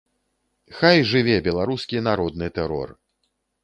Хай жыве беларускі народны тэрор!